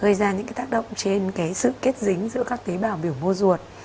gây ra những cái tác động trên cái sự kết dính giữa các tế bào biểu mô ruột